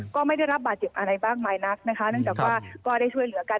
ก็ไม่ได้รับบาดเจ็บอะไรมากมายนักนะคะเนื่องจากว่าก็ได้ช่วยเหลือกัน